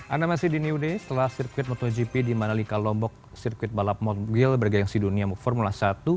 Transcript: anda masih di new day setelah sirkuit motogp di manalika lombok sirkuit balap mobil bergayang di dunia formula satu